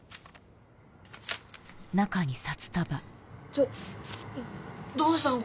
ちょどうしたの？